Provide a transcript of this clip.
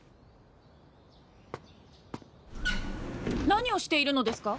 何をしているのですか！？